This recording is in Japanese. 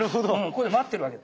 ここで待ってるわけ。